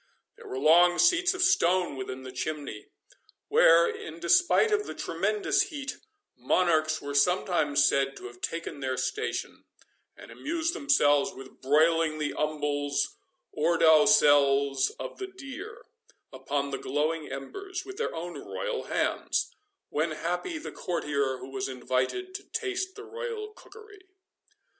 There were long seats of stone within the chimney, where, in despite of the tremendous heat, monarchs were sometimes said to have taken their station, and amused themselves with broiling the umbles, or dowsels, of the deer, upon the glowing embers, with their own royal hands, when happy the courtier who was invited to taste the royal cookery.